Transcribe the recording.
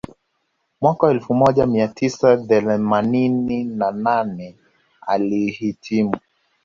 Mwaka elfu moja mia tisa themanini na nane alihitimu